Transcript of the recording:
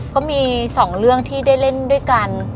ก็มี๒เรื่องที่ได้เล่นด้วยกัน